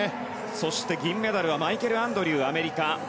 そして銀メダルはマイケル・アンドリューアメリカ。